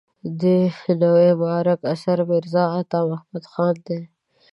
د نوای معارک اثر میرزا عطا محمد خان دی.